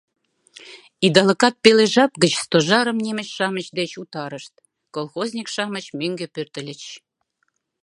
Идалыкат пеле жап гыч Стожарым немыч-шамыч деч утарышт, колхозник-шамыч мӧҥгӧ пӧртыльыч.